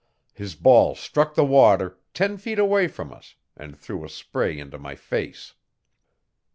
His ball struck the water, ten feet away from us, and threw a spray into my face.